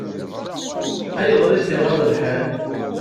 Ayɣer i tt-iɣaḍ lḥal?